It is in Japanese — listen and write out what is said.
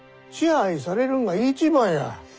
支配されるんが一番や。